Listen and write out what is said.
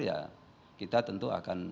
ya kita tentu akan